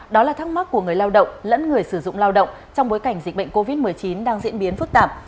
đó là thắc mắc của người lao động lẫn người sử dụng lao động trong bối cảnh dịch bệnh covid một mươi chín đang diễn biến phức tạp